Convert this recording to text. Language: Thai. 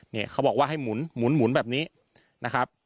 เนี่ยเขาบอกว่าให้หมุนแบบนี้นะครับ